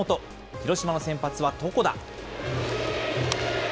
広島の先発は床田。